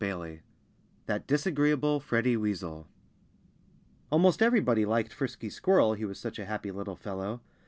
XXI That Disagreeable Freddie Weasel Almost everybody liked Frisky Squirrel, he was such a happy little fellow.